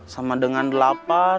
sama dengan delapan